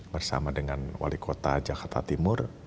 bersama dengan wali kota jakarta timur